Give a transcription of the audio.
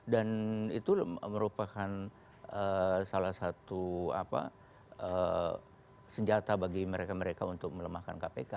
dan itu merupakan salah satu senjata bagi mereka mereka untuk melemahkan kpk